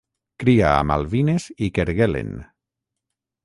Cria a Malvines i Kerguelen.